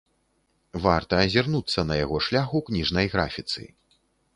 Варта азірнуцца на яго шлях у кніжнай графіцы.